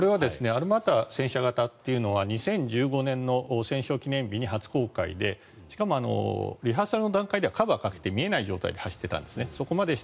Ｔ１４アルマータは２０１５年の戦勝記念日で初公開で、しかもリハーサルの段階ではカバーをかけて見えない状態で走っていたんですね。